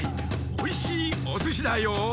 おいしいおすしだよ。